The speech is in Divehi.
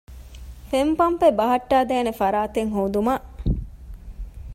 ފެން ޕަންޕެއް ބަހައްޓައިދޭނެ ފަރާތެއް ހޯދުމަށް